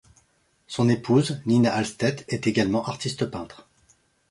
Son épouse, Nina Ahlstedt, est également artiste peintre.